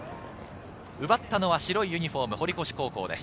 奪ったのは白いユニホーム堀越高校です。